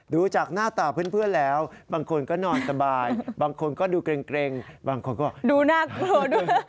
ดูจากหน้าตาเพื่อนแล้วบางคนก็นอนสบายบางคนก็ดูเกร็งบางคนก็ดูน่ากลัวดู